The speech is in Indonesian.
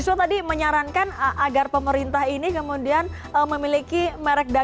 mas yusof tadi menyarankan agar pemerintah ini kemudian pemerintah itu bisa menjadikan ini sebagai gelaran yang keren